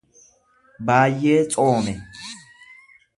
baayyee tsoome